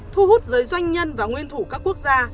thu hút giới doanh nhân và nguyên thủ các quốc gia